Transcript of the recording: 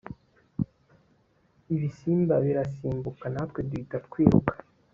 ibisimba birasimbuka natwe duhita twiruka